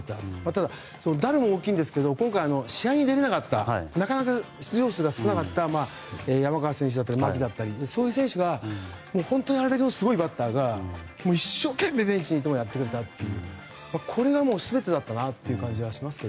ただ、ダルも大きいんですが今回、試合に出られなかった出場数が少なかった山川選手や牧だったりそういう選手が本当にあれだけのすごいバッターが一生懸命、熱心にやってくれたこれが全てな感じがしました。